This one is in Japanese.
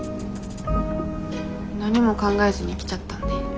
何も考えずに来ちゃったんで。